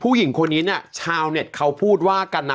ผู้หญิงคนนี้เนี่ยชาวเน็ตเขาพูดว่ากันนะ